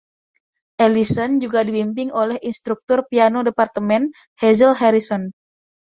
Ellison juga dibimbing oleh instruktur piano departemen, Hazel Harrison.